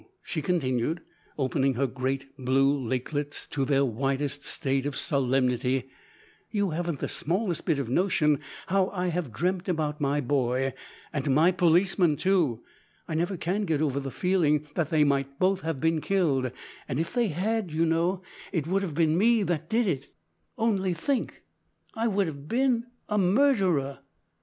she continued, opening her great blue lakelets to their widest state of solemnity, "you haven't the smallest bit of notion how I have dreamt about my boy and my policeman too! I never can get over the feeling that they might both have been killed, and if they had, you know, it would have been me that did it; only think! I would have been a murderer!